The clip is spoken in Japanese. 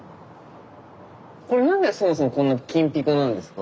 これ何でそもそもこんな金ピカなんですか？